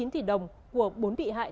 hai mươi chín tỷ đồng của bốn bị hại